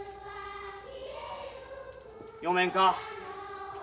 読めんか？